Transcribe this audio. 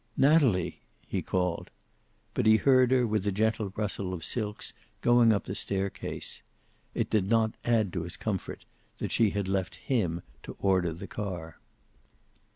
"Natalie!" he called. But he heard her with a gentle rustle of silks going up the staircase. It did not add to his comfort that she had left him to order the car.